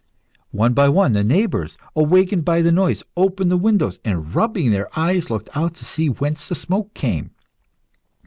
One by one, the neighbours, awakened by the noise, opened the windows, and rubbing their eyes, looked out to see whence the smoke came.